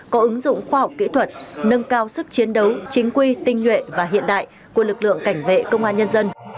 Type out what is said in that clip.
có ứng dụng khoa học kỹ thuật nâng cao sức chiến đấu chính quy tinh nhuệ và hiện đại của lực lượng cảnh vệ công an nhân dân